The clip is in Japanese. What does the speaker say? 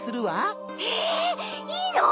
えっいいの！？